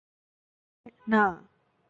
বিজয়, না!